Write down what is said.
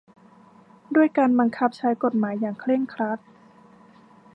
ด้วยการบังคับใช้กฎหมายอย่างเคร่งครัด